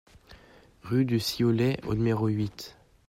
Rue du Sioulet au numéro huit